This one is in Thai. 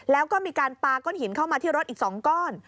แล้วก็มีการปาก้อนหินเข้ามาที่รถอีก๒ก้อน